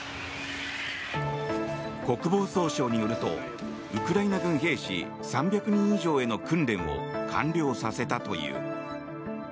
国防総省によるとウクライナ軍兵士３００人以上への訓練を完了させたという。